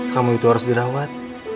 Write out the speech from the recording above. kamu itu harus dirawat